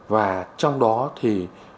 và trong đó thì